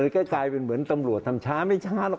ก็กลายเป็นเหมือนตำรวจทำช้าไม่ช้าหรอก